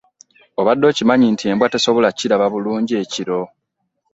Obadde okimanyi nti embwa tesobola kiraba bulungi ekiro?